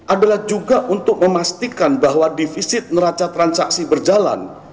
adalah juga untuk memastikan bahwa defisit neraca transaksi berjalan